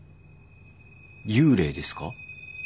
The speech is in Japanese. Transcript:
幽霊ですか？